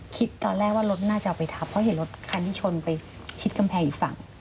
คิดตอนแรกว่ารถน่าจะเอาไปทับเพราะเห็นรถคันที่ชนไปชิดกำแพงอีกฝั่ง